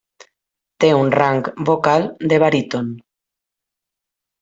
Té un rang vocal de baríton.